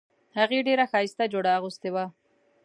هغې ډیره ښایسته جوړه اغوستې وه